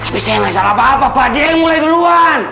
tapi saya gak bisa apa apa dia yang mulai duluan